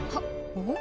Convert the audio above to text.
おっ！